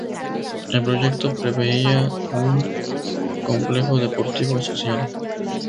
El proyecto preveía un complejo deportivo y social.